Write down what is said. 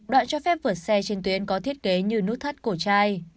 đoạn cho phép vượt xe trên tuyến có thiết kế như nút thắt cổ trai